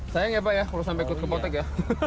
sayang ya pak ya kalau sampai kepotek ya